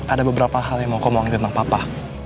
ada beberapa hal yang mau ngomongin tentang papa